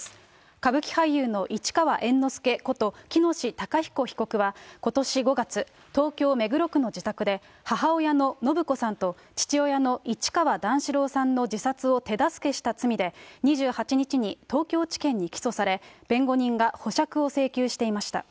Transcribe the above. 歌舞伎俳優の市川猿之助こと喜熨斗たかひこ被告は、ことし５月、東京・目黒区の自宅で、母親の延子さんと、父親の市川段四郎さんの自殺を手助けした罪で、２８日に東京地検に起訴され、弁護人が保釈を請求していました。